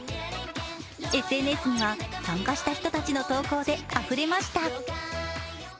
ＳＮＳには参加した人たちの投稿であふれました。